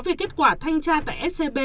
về kết quả thanh tra tại scb